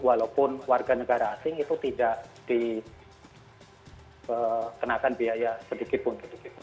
walaupun warga negara asing itu tidak dikenakan biaya sedikitpun